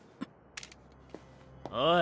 おい。